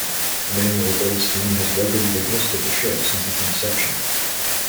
Emmanuel Goldstein has regularly hosted the show since its inception.